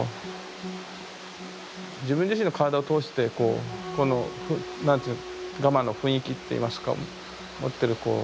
自分自身の体を通してこうこの何ていうかガマの雰囲気っていいますか持ってるこう。